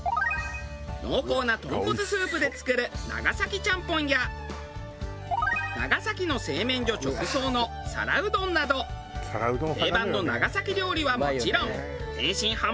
濃厚な豚骨スープで作る長崎ちゃんぽんや長崎の製麺所直送の皿うどんなど定番の長崎料理はもちろん天津飯も大人気。